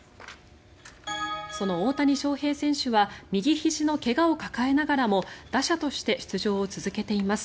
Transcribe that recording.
その大谷翔平選手は右ひじの怪我を抱えながらも打者として出場を続けています。